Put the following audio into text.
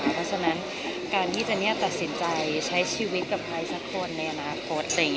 เพราะฉะนั้นการที่เจนี่ตัดสินใจใช้ชีวิตกับใครสักคนในอนาคต